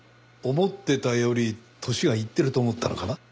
思ってたより年がいってると思ったのかな？